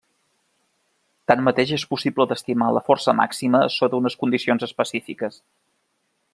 Tanmateix és possible d'estimar la força màxima sota unes condicions específiques.